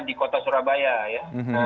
di kota surabaya ya